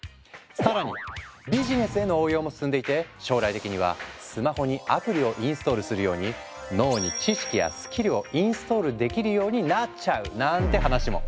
更にビジネスへの応用も進んでいて将来的にはスマホにアプリをインストールするように脳に知識やスキルをインストールできるようになっちゃうなんて話も。